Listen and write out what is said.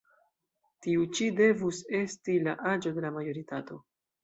Tiu ĉi devus esti la aĝo de la majoritato».